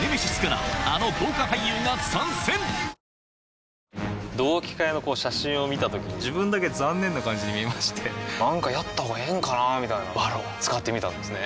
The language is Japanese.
さらに同期会の写真を見たときに自分だけ残念な感じに見えましてなんかやったほうがええんかなーみたいな「ＶＡＲＯＮ」使ってみたんですね